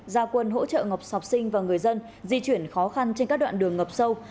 gia quân hỗ trợ ngọc sọc sinh và người dân di chuyển khó khăn trên các đoạn đường ngập sâu